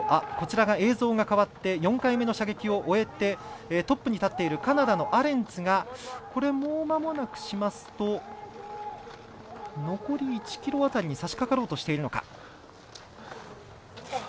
こちらが映像が変わって４回目の射撃を終えてトップに立っているカナダのアレンツがもうまもなくしますと残り１ｋｍ辺りにさしかかろうとしているのか。